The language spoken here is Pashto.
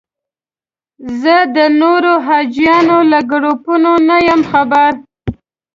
زه د نورو حاجیانو له ګروپونو نه یم خبر.